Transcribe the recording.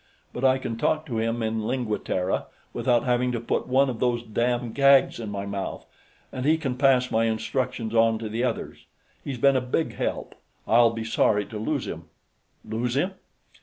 But I can talk to him in Lingua Terra without having to put one of those damn gags in my mouth, and he can pass my instructions on to the others. He's been a big help; I'll be sorry to lose him." "Lose him?"